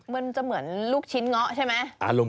มันจะเหมือนลูกชิ้นเงาะใช่ไหม